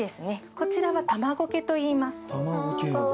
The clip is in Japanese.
こちらはタマゴケといいます。